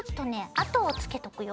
あとをつけとくよ。